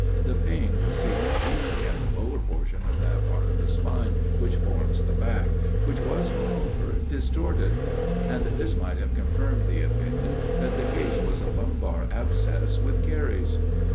The pain was seated chiefly at the lower portion of that part of the spine which forms the back, which was, moreover, distorted; and this might have confirmed the opinion that the case was a lumbar abscess with caries.